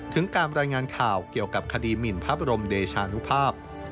ถึงการรายงานข่าวเกี่ยวกับคดีหมินพระบรมเดชานุภาพ